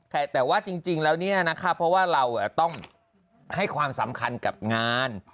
แต่ว่าจริงแล้วเนี่ยนะคะเพราะว่าเราต้องให้ความสำคัญกับงาน